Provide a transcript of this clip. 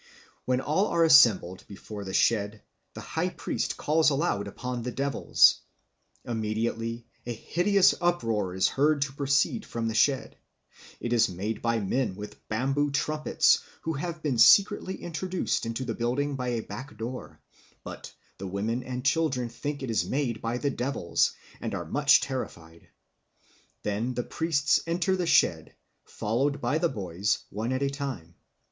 When all are assembled before the shed, the high priest calls aloud upon the devils. Immediately a hideous uproar is heard to proceed from the shed. It is made by men with bamboo trumpets, who have been secretly introduced into the building by a back door, but the women and children think it is made by the devils, and are much terrified. Then the priests enter the shed, followed by the boys, one at a time.